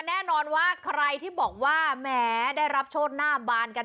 แน่นอนว่าใครที่บอกว่าแหมได้รับโชคหน้าบานกัน